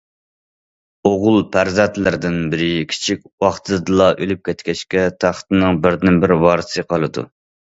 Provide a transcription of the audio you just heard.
ئوغۇل پەرزەنتلىرىدىن بىرى كىچىك ۋاقتىدىلا ئۆلۈپ كەتكەچكە، تەختنىڭ بىردىنبىر ۋارىسى قالىدۇ.